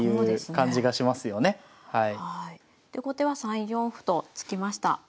で後手は３四歩と突きました。